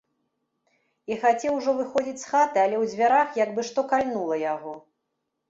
І хацеў ужо выходзіць з хаты, але ў дзвярах як бы што кальнула яго.